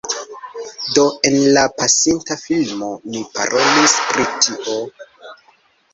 Do en la pasinta filmo mi parolis pri tio